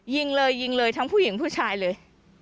ยิงเลยยิงเลยทั้งผู้หญิงผู้ชายเลย